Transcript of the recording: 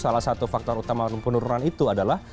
salah satu faktor utama penurunan itu adalah